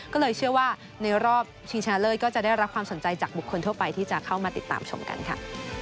ก็เลยเชื่อว่าในรอบชิงชนะเลิศก็จะได้รับความสนใจจากบุคคลทั่วไปที่จะเข้ามาติดตามชมกันค่ะ